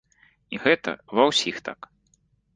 І гэта ва ўсіх так.